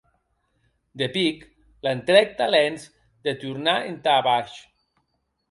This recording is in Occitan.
De pic l’entrèc talents de tornar entà baish.